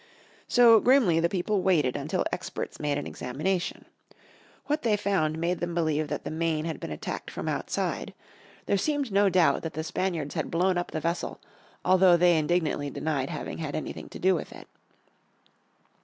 So grimly the people waited until experts made an examination. What they found made them believe that the Maine had been attacked from outside. There seemed no doubt that the Spaniards had blown up the vessel although they indignantly denied having had anything to do with it.